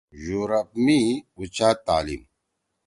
یورپ می اُوچات تعلیِم: